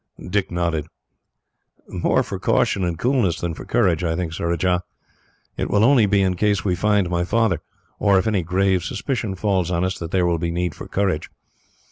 Dick nodded. "More for caution and coolness than for courage, I think, Surajah. It will only be in case we find my father, or if any grave suspicion falls on us, that there will be need for courage.